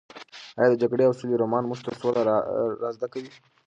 ایا د جګړې او سولې رومان موږ ته سوله را زده کوي؟